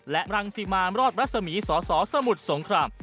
และรังสิมารอดรัศมีสสสมุทรสงคราม